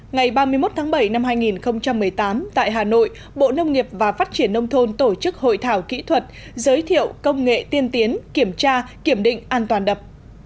ngày ba mươi một tháng bảy năm hai nghìn một mươi tám tại hà nội bộ nông nghiệp và phát triển nông thôn tổ chức hội thảo kỹ thuật giới thiệu công nghệ tiên tiến kiểm tra kiểm định an toàn đập